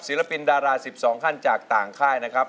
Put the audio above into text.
ศิลปินดารา๑๒ขั้นจากต่างค่ายนะครับ